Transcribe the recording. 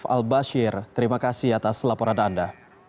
al bashir terima kasih atas laporan anda